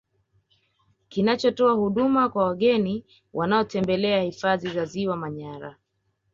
Kinachotoa huduma kwa wageni wanaotembelea hifadhi ya Ziwa Manyara